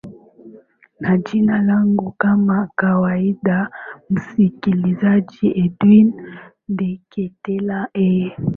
na jina langu kama kawaida msikilizaji edwin ndeketela eeh